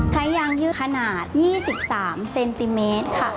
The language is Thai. ใช้ยางยืดขนาด๒๓เซนติเมตรค่ะ